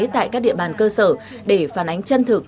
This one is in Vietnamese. tại các địa bàn cơ sở để phản ánh chân thực